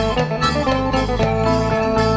โชว์ฮีตะโครน